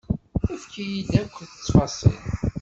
Efk-iyi-d akk ttfaṣil.